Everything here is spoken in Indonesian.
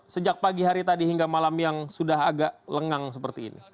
sejak pagi hari tadi hingga malam yang sudah agak lengang seperti ini